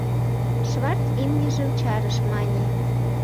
Шварц имньыжым чарыш, мане: